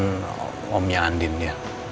terima kasih ya